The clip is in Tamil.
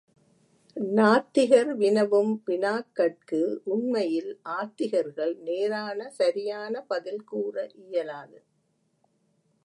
நாத்திகர் வினவும் வினாக்கட்கு உண்மையில் ஆத்திகர்கள் நேரான சரியான பதில் கூறவியலாது.